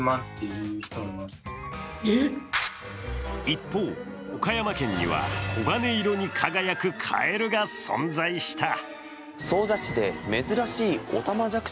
一方、岡山県には黄金色に輝くカエルが存在した。